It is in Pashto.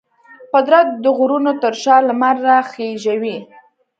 قدرت د غرونو تر شا لمر راخیژوي.